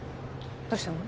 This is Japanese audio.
どうしたの？